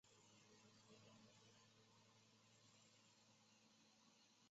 德希达提出了一种他称之为解构阅读西方哲学的方法。